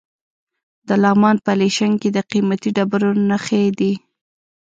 د لغمان په علیشنګ کې د قیمتي ډبرو نښې دي.